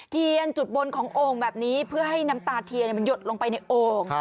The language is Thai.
เทียนจุดบนของโอ่งแบบนี้เพื่อให้น้ำตาเทียนมันหยดลงไปในโอ่ง